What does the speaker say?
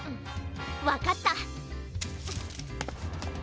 わかった。